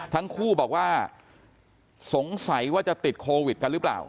ทั้งคู่บอกว่าสงสัยว่าจะติดโควิดกันหรือเปล่า